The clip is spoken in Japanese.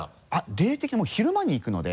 霊的はもう昼間に行くので。